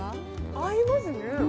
合いますね。